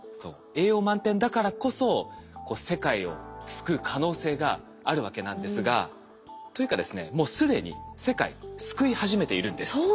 栄養満点だからこそ世界を救う可能性があるわけなんですが。というかですねもう既に世界救い始めているんです。